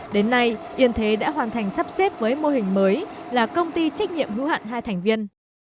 đến nay yên thế đã hoàn thành sắp xếp với mô hình mới là công ty trách nhiệm hữu hạn hai thành viên